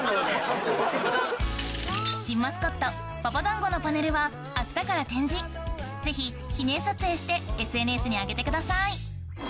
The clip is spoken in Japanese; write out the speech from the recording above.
新マスコットパパだんごのパネルは明日から展示ぜひ記念撮影してＳＮＳに上げてください